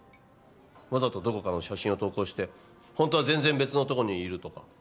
わざとどこかの写真を投稿してホントは全然別のとこにいるとか。